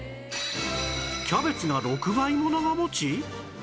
キャベツが６倍も長持ち！？